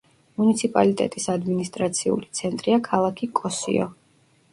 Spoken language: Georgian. მუნიციპალიტეტის ადმინისტრაციული ცენტრია ქალაქი კოსიო.